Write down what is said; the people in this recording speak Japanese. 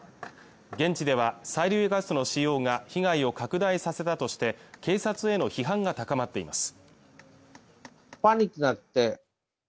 現地では催涙ガスの使用が被害を拡大させたとして警察への批判が高まっています